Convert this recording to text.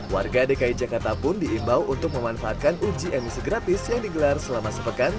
warga dki jakarta pun diimbau untuk memanfaatkan uji emisi gratis yang digelar selama sepekan